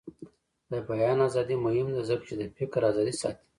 د بیان ازادي مهمه ده ځکه چې د فکر ازادي ساتي.